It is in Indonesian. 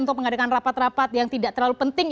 untuk mengadakan rapat rapat yang tidak terlalu penting